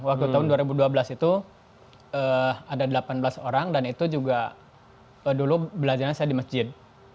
waktu tahun dua ribu dua belas itu ada delapan belas orang dan itu juga dulu belajarnya saya di masjid